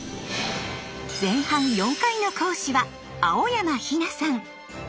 前半４回の講師は蒼山日菜さん！